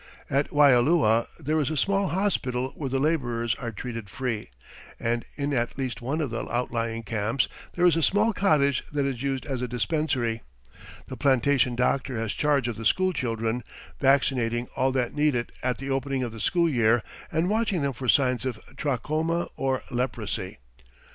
At Waialua there is a small hospital where the labourers are treated free, and in at least one of the outlying camps there is a small cottage that is used as a dispensary. The plantation doctor has charge of the school children, vaccinating all that need it at the opening of the school year and watching them for signs of trachoma or leprosy.